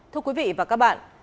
thưa quý vị và các bạn